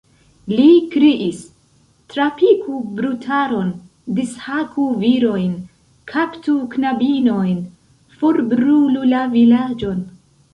li kriis: trapiku brutaron, dishaku virojn, kaptu knabinojn, forbrulu la vilaĝon!